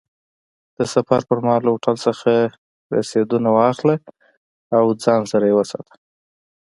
د سفر پر مهال له هوټل څخه رسیدونه واخله او ځان سره یې وساته.